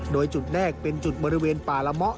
โดยจุดแรกเป็นจุดบริเวณป่าละเมาะ